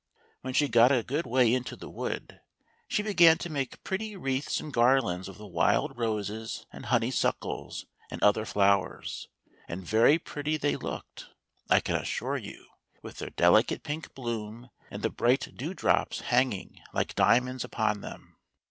When she got a good way into the wood, she began to make pretty wreaths and garlands of the wild roses and honey suckles and other flowers ; and very pretty they looked, I can assure you, with their delicate pink bloom, and the bright dewdrops hanging like diamonds upon them.